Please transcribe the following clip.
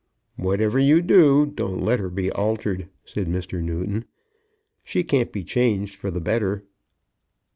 "Whatever you do, don't let her be altered," said Mr. Newton. "She can't be changed for the better."